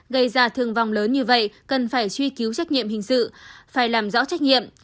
gây ra thương vong lớn như vậy cần phải truy cứu trách nhiệm hình sự phải làm rõ trách nhiệm